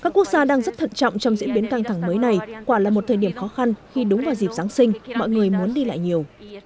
các quốc gia đang rất thận trọng trong diễn biến căng thẳng mới này quả là một thời điểm khó khăn khi đúng vào dịp giáng sinh mọi người muốn đi lại nhiều